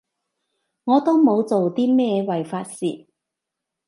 我都冇做啲咩違法事